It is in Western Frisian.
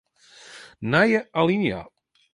Nije alinea.